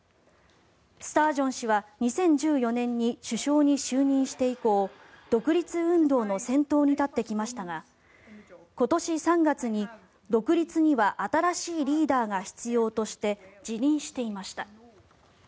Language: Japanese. スタージョン氏は２０１４年に首相に就任して以降独立運動の先頭に立ってきましたが今年３月に、独立には新しいリーダーが必要として辞任していました。